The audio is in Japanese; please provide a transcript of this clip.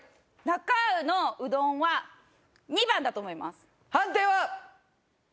なか卯のうどんは２番だと思います判定は？